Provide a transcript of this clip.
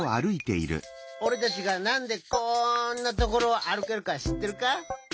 おれたちがなんでこんなところをあるけるかしってるか？